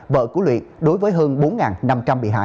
vợ của luyện đối với hơn bốn năm trăm linh bị hại